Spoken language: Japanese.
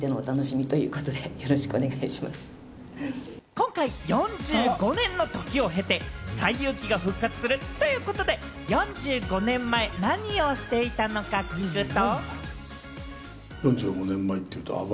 今回、４５年のときを経て、『西遊記』が復活するということで、４５年前、何をしていたのか聞くと。